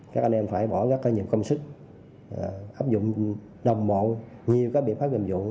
các anh em phải bỏ gắt có nhiều công sức áp dụng đồng bộ nhiều các biện pháp hợp dụng